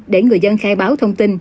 để người dân khai báo thông tin